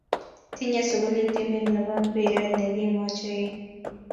Tinye sukulit timit ne bo mpiret ne kim ochei